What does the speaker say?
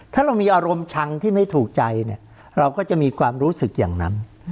ถ้าเรามีอารมณ์ชังที่ไม่ถูกใจเนี่ยเราก็จะมีความรู้สึกอย่างนั้น